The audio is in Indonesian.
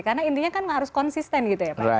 karena intinya kan harus konsisten gitu ya pak